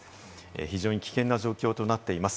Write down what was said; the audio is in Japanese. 非常に危険な状況となっています。